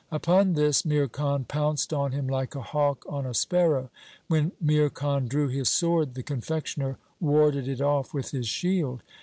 Upon this Mir Khan pounced on him like a hawk on a sparrow. When Mir Khan drew his sword the confectioner warded it off with his shield.